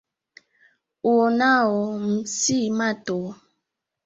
Uonao m si mato